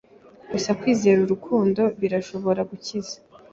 Gusa Kwizera Urukundo birashobora gukiza